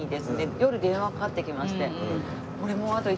夜電話がかかってきまして。